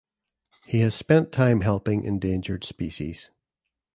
He has spent time helping endangered species.